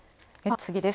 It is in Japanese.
次です。